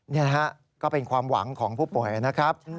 นี่นะฮะก็เป็นความหวังของผู้ป่วยนะครับ